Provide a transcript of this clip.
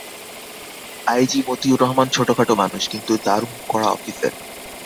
I G Motiur Rahman ছোটখাটো মানুষ, কিন্তু দারুণ কড়া অফিসার।